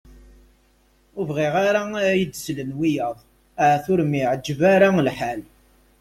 Ue bɣiɣ ara ad iyi-d-slen wiyaḍ ahat ur am-iɛeǧǧeb ara lḥal.